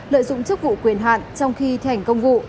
lợi dụng chức vụ quyền hạn trong khi thành công vụ